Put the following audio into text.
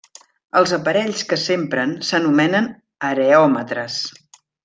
Els aparells que s'empren s'anomenen areòmetres.